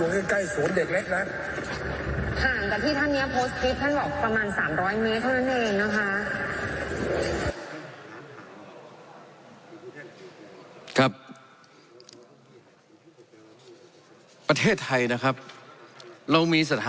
เหมือนปล่อยลงมาจากฟ้าฮะเป็นกระสุนปืนเออเนี่ยฮะ